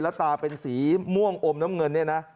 และตาเป็นสีม่วงอมน้ำเงิน